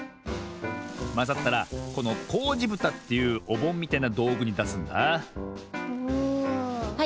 まざったらこの「こうじぶた」というおぼんみたいなどうぐにだすんだは